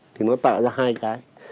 thì nó tạo ra hai cái